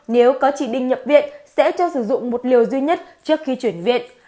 nếu có chỉ định nhập viện sẽ cho sử dụng một liều duy nhất trước khi chuyển viện